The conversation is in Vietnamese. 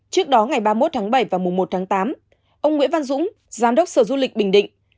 trước đó ngày ba mươi một tháng bảy và mùa một tháng tám ông nguyễn văn dũng giám đốc sở du lịch bình định